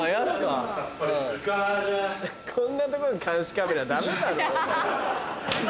こんな所に監視カメラダメだろ。